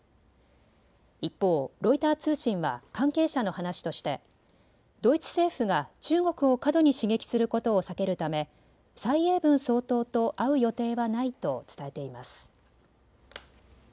一方、ロイター通信は関係者の話としてドイツ政府が中国を過度に刺激することを避けるため蔡英文総統と会う予定はないと伝えています。